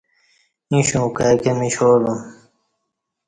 ییں شوں کائی کہ مشالم